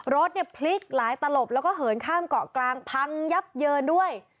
รถเนี่ยพลิกหลายตลบแล้วก็เหินข้ามเกาะกลางพังยับเยินด้วย